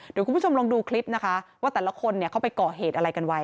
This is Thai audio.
เดี๋ยวคุณผู้ชมลองดูคลิปนะคะว่าแต่ละคนเขาไปก่อเหตุอะไรกันไว้